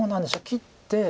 切って。